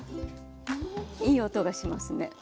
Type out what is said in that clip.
いい音がしますね。